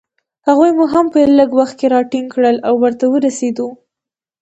هغوی مو هم په لږ وخت کې راټینګ کړل، او ورته ورسېدو.